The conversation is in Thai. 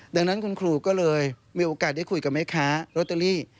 ดังนั้นคุณครูก็เลยมีโอกาสได้คุยกับแม่ค้าโรตเตอรี่